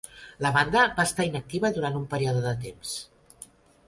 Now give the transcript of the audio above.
La banda va estar inactiva durant un període de temps.